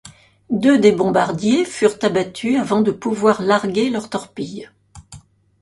Deux des bombardiers furent abattus avant de pouvoir larguer leurs torpilles.